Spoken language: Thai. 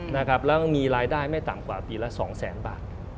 แล้วมีรายได้ไม่ต่ำกว่าปีละสองแสนบาท